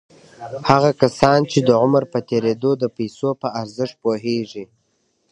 هغه کسان چې د عمر په تېرېدو د پيسو په ارزښت پوهېږي.